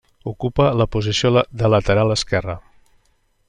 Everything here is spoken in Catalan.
Ocupa la posició de lateral esquerre.